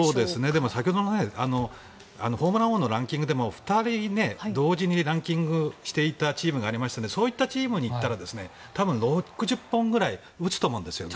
でも先ほどの話でホームラン王のランキングでも２人同時にランキングしていたチームがありましたのでそういったチームに行ったら多分６０本ぐらい打つと思うんですよ。